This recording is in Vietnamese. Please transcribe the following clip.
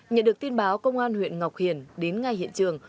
nhận được tin báo công an huyện ngọc hiền đến ngay hiện trường